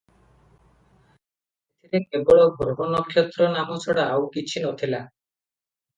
ସେଥିରେ କେବଳ ଗ୍ରହ ନକ୍ଷତ୍ର ନାମ ଛଡା ଆଉ କିଛି ନ ଥିଲା ।